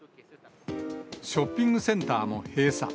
ショッピングセンターも閉鎖。